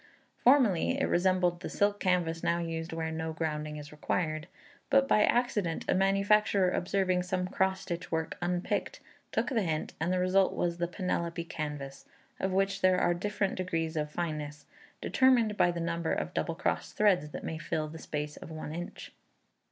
Formerly it resembled the silk canvas now used where no grounding is required, but by accident a manufacturer observing some cross stitch work unpicked, took the hint, and the result was the "Penelope canvas," of which there are different degrees of fineness, determined by the number of double crossed threads that may fill the space of one inch.